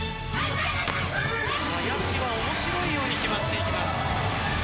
林は面白いように決まっていきます。